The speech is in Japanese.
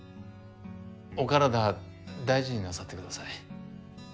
お体大事になさってください。